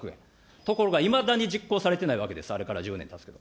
ところがいまだに実行されてないわけです、あれから１０年たつけど。